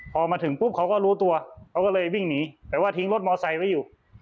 พอมาถึงปุ๊บเขาก็รู้ตัวเขาก็เลยวิ่งหนีแต่ว่าทิ้งรถมอไซค์ไว้อยู่